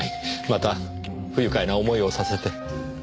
また不愉快な思いをさせて。